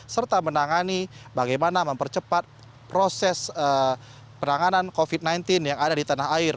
serta menangani bagaimana mempercepat proses penanganan covid sembilan belas yang ada di tanah air